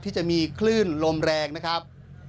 ที่จะมีคลื่นลมแรงนะครับ